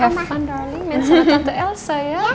have fun darling main sama tante elsa ya